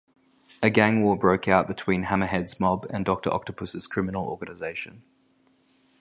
A gang war broke out between Hammerhead's mob and Doctor Octopus's criminal organization.